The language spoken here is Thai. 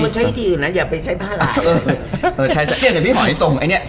ซื้อผักพี่หอยได้นะ